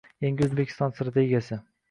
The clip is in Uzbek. Yangi O‘zbekiston strategiyasi